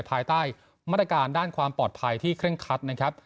ภายใต้มาตรการด้านความปลอดภัยที่เคร่งคัดนะครับ